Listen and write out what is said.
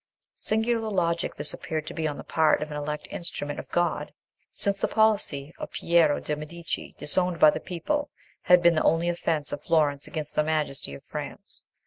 Singular logic this appeared to be on the part of an elect instrument of God! since the policy of Piero de' Medici, disowned by the people, had been the only offence of Florence against the majesty of France.